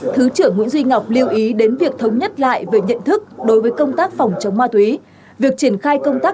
trung tướng nguyễn duy ngọc ủy viên trung ương đảng thủ trưởng cơ quan cảnh sát điều tra tuệ phạm về ma túy